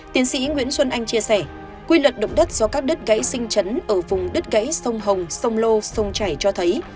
tiến sĩ nguyễn xuân anh chia sẻ quy luật động đất do các đứt gáy sinh chấn ở vùng đứt gáy sông hồng sông lô sông chảy cho thấy